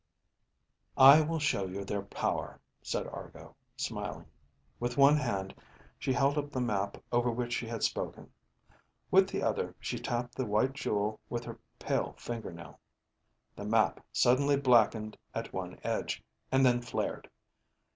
"I will show you their power," said Argo, smiling. With one hand she held up the map over which she had spoken. With the other she tapped the white jewel with her pale fingernail. The map suddenly blackened at one edge, and then flared.